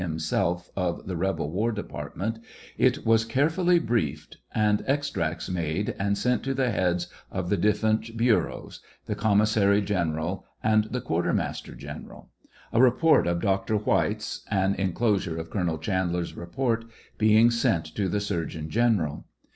M. Selph, of the rebel war department, it was carefully briefed, and extracts made and sent to the heads of the difierent bureaus, the commissary general and the quartermaster general ; a report of Dr. White's, an enclosure of Colonel Chandler's report, being sent to the surgeon general.